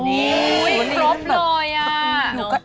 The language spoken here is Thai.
อุ๊ยครบร้อยอ่ะ